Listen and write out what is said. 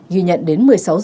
ghi nhận đến một mươi sáu h